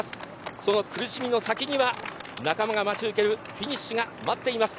その苦しみの先には仲間が待ち受けるフィニッシュが待っています。